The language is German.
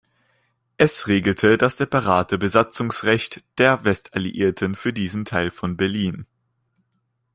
Es regelte das separate Besatzungsrecht der Westalliierten für diesen Teil von Berlin.